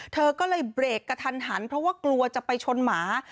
เธอก็เลยเบรกกระทันหันเพราะว่ากลัวจะไปชนหมา